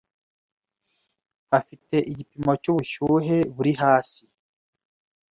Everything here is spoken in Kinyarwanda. hafite igipimo cy'ubushyuhe buri hasi